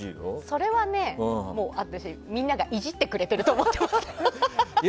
それはね、私、みんながイジってくれてると思います。